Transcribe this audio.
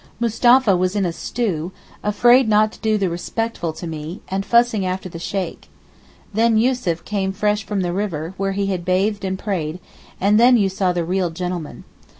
Mustapha was in a stew, afraid not to do the respectful to me, and fussing after the Sheykh. Then Yussuf came fresh from the river, where he had bathed and prayed, and then you saw the real gentleman.